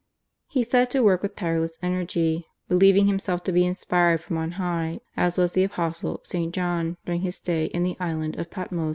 He set to work with tireless energy, believing himself to be inspired from on high as was the apostle, St. John, during his stay in the island of Patmos.